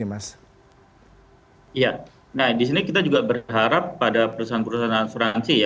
iya nah di sini kita juga berharap pada perusahaan perusahaan asuransi ya